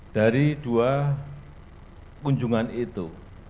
dari dua kunjungan itu